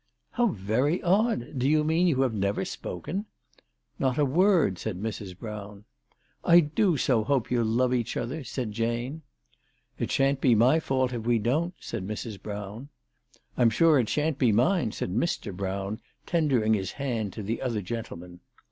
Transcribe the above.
" How very odd ! Do you mean you have never spoken ?"" Not a word," said Mrs. Brown. "I do so hope you'll love each other," said Jane. " It shan't be my fault if we don't," said Mrs. Brown. " I'm sure it shan't be mine," said Mr. Brown, ten dering his hand to the other gentleman.